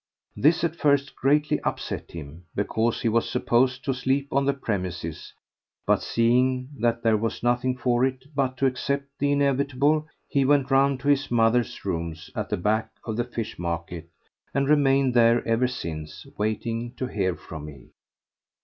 This at first greatly upset him, because he was supposed to sleep on the premises, but seeing that there was nothing for it but to accept the inevitable, he went round to his mother's rooms at the back of the fish market and remained there ever since, waiting to hear from me.